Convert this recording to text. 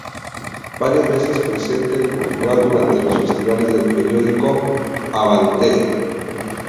Varias veces presente en Portugal durante los festivales del periódico "Avante!